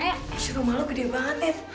eh rumah lo gede banget